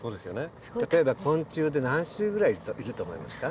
例えば昆虫で何種類ぐらいいると思いますか？